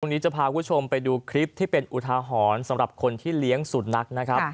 วันนี้จะพาคุณผู้ชมไปดูคลิปที่เป็นอุทาหรณ์สำหรับคนที่เลี้ยงสุนัขนะครับ